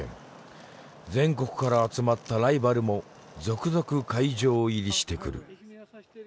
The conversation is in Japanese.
全国から集まったライバルも続々会場入りしてくる。